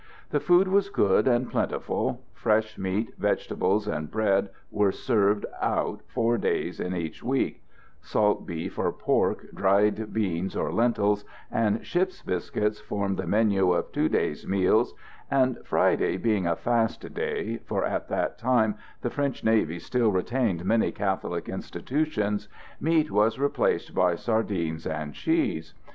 The food was good and plentiful. Fresh meat, vegetables and bread were served out four days in each week; salt beef or pork, dried beans or lentils, and ship's biscuits formed the menu of two days' meals; and Friday being a fast day for at that time the French navy still retained many Catholic institutions meat was replaced by sardines and cheese.